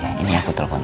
iya ini aku telfon